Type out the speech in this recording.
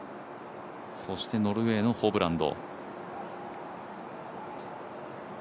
そしてノルウェーのホブランド。